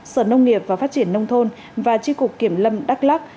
sở nông nghiệp và phát triển nông thôn và tri cục kiểm lâm đắk lắc